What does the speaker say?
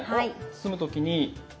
包む時に。